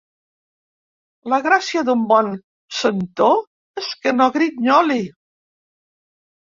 La gràcia d'un bon centó és que no grinyoli.